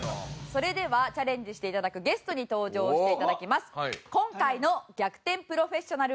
それではチャレンジして頂くゲストに登場して頂きます。